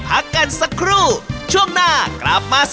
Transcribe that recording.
เสียงอย่างนี้ครับป๊า